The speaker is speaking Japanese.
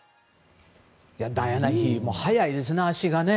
ダイアナ妃、速いですね足がね。